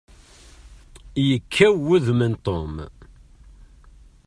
Yekkaw wudem n Tom.